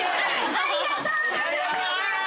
ありがとうございます！